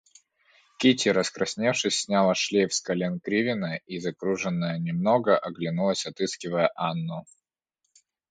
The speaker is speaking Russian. Кити, раскрасневшись, сняла шлейф с колен Кривина и, закруженная немного, оглянулась, отыскивая Анну.